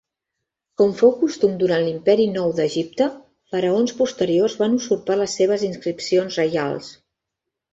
Com fou costum durant l'Imperi Nou d'Egipte, faraons posteriors van usurpar les seves inscripcions reials.